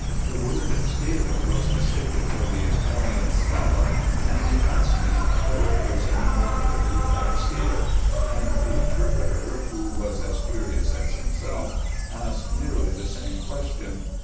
The word scale was mistaken for the Italian scala, and he asked me where a person mounted with that scale ; and the interpreter, who was as curious as himself, asked nearly the same question.